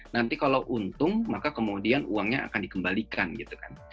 nanti kalau untung maka kemudian uangnya akan dikembalikan gitu kan